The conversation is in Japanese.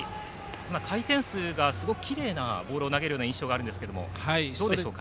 回転数がすごくきれいなボールを投げるような印象があるんですがどうでしょうか。